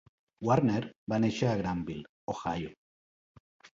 Warner va néixer a Granville, Ohio.